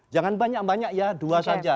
jangan banyak banyak ya dua saja